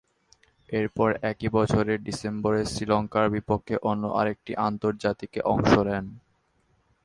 এরপর একই বছরের ডিসেম্বরে শ্রীলঙ্কার বিপক্ষে অন্য আরেকটি আন্তর্জাতিকে অংশ নেন।